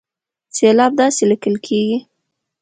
سېلاب داسې ليکل کېږي